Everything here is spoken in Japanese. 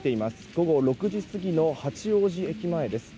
午後６時過ぎの八王子駅前です。